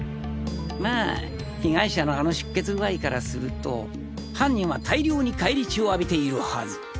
まぁ被害者のあの出血具合からすると犯人は大量に返り血を浴びているはず。